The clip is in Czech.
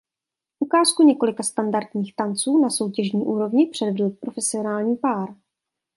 Ukázku několika standardních tanců na soutěžní úrovni předvedl profesionální pár.